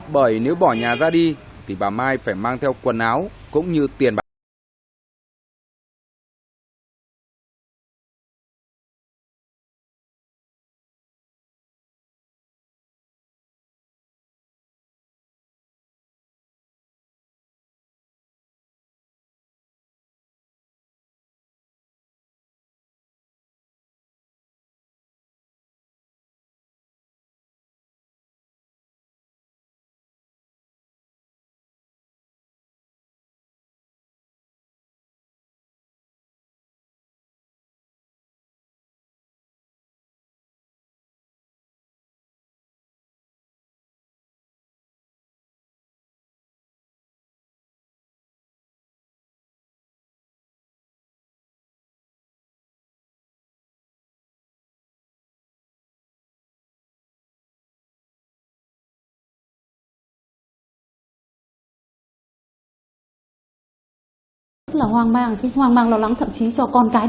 bởi nếu bỏ nhà ra đi thì bà mai phải mang theo quần áo cũng như tiền bà mai